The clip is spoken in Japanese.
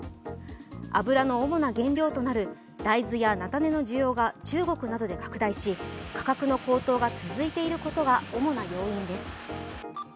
脂の主な原料となる大豆や菜種の需要が中国などで拡大し価格の高騰が続いていることが主な要因です。